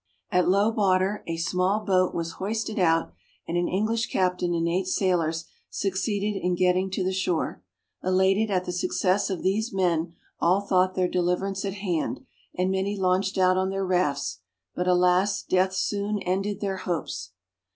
At low water a small boat was hoisted out, and an English captain and eight sailors succeeded in getting to the shore. Elated at the success of these men all thought their deliverance at hand, and many launched out on their rafts, but, alas! death soon ended their hopes.